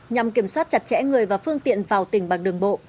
nhằm kiểm soát chặt chẽ người và phương tiện vào tỉnh bằng đường bộ